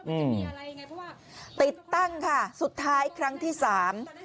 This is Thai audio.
อืมติดตั้งค่ะสุดท้ายครั้งที่สาม